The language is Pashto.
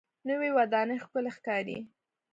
نوې ودانۍ ښکلې ښکاري